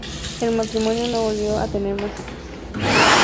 El matrimonio no volvió a tener más hijos.